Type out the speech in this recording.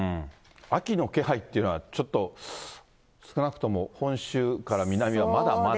秋の気配っていうのは、ちょっと少なくとも本州から南はまだまだ。